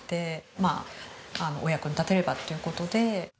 まあお役に立てればという事で。